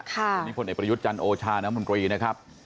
วันนี้พลเอกประยุทธ์จันทร์โอชาน้ำมนตรีนะครับ